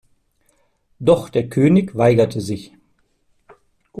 Doch der König weigerte sich.